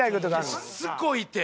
しつこいって！